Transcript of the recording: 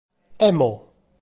Emmo!